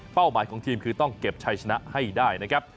หมายของทีมคือต้องเก็บชัยชนะให้ได้นะครับ